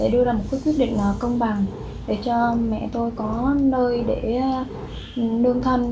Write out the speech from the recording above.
để cho mẹ tôi có nơi để đương thân